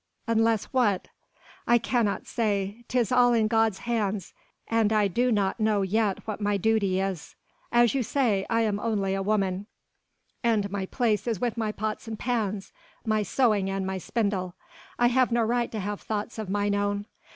"Unless what?" "I cannot say. 'Tis all in God's hands and I do not know yet what my duty is. As you say I am only a woman, and my place is with my pots and pans, my sewing and my spindle. I have no right to have thoughts of mine own.